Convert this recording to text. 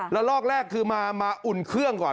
ลอกแรกคือมาอุ่นเครื่องก่อน